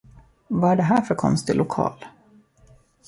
Vad är det här för konstig lokal?